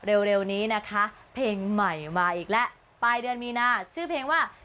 เร็วนี้นะคะเพลงใหม่มาอีกแล้วปลายเดือนมีนาชื่อเพลงว่า